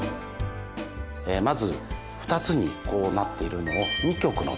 まず２つになっているのを二曲の屏風。